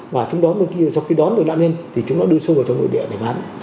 và sau khi đón được nạn nhân chúng đưa xuống vào trong nội địa để bán